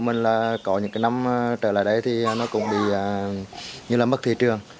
nên là có những năm trở lại đây thì nó cũng bị như là mất thị trường